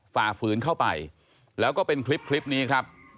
ฝ่าฝืนเข้าไปแล้วก็เป็นคลิปนี้ครับ